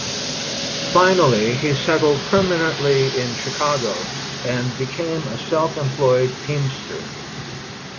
Finally he settled permanently in Chicago and became a self-employed teamster.